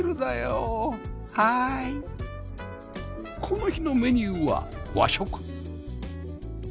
この日のメニューは和食